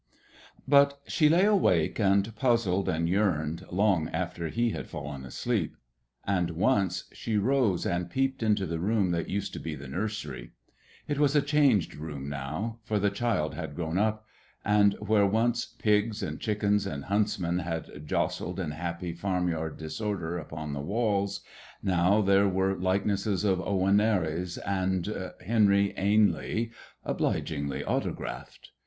But she lay awake and puzzled and yearned long after he had fallen asleep. And once she rose and peeped into the room that used to be the nursery. It was a changed room now, for the child had grown up, and where once pigs and chickens and huntsmen had jostled in happy, farmyard disorder upon the walls, now there were likenesses of Owen Nares and Henry Ainley, obligingly autographed.